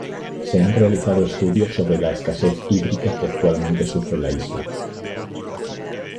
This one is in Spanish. Se han realizado estudios sobre la escasez hídrica que actualmente sufre la isla.